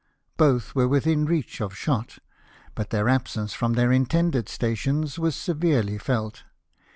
Both were within reach of shot, but their absence from their intended stations was severely felt.